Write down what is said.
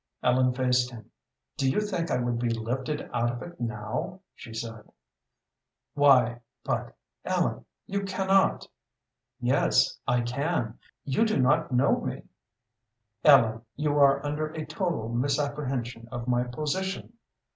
Ellen faced him. "Do you think I would be lifted out of it now?" she said. "Why, but, Ellen, you cannot " "Yes, I can. You do not know me." "Ellen, you are under a total misapprehension of my position."